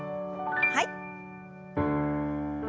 はい。